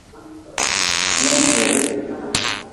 Lemihirih.